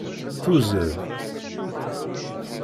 Tuzzel.